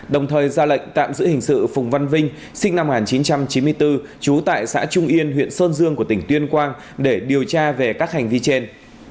đồng thời ra lệnh tạm giữ hình sự phùng văn vinh sinh năm một nghìn chín trăm chín mươi bốn trú tại xã trung yên huyện sơn dương của tỉnh tuyên quang để điều tra về các hành vi trên